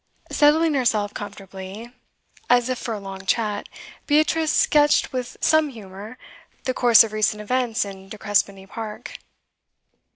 Settling herself comfortably, as if for a long chat, Beatrice sketched with some humour the course of recent events in De Crespigny Park.